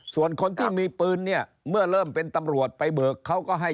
ส่วนคนที่มีปืนเนี่ยเมื่อเริ่มเป็นตำรวจไปเบิกเขาก็ให้